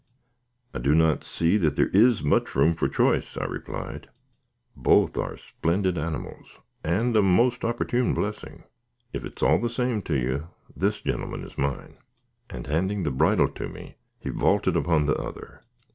"I do not see as there is much room for choice," I replied; "both are splendid animals, and a most opportune blessing." "If it's all the same to you, this gentleman is mine;" and handing the bridle to me, he vaulted upon the other.